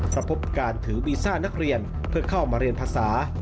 พบการถือวีซ่านักเรียนเพื่อเข้ามาเรียนภาษา